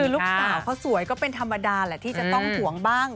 คือลูกสาวเขาสวยก็เป็นธรรมดาแหละที่จะต้องห่วงบ้าง